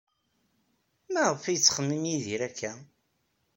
Maɣef ay yettxemmim Yidir akka?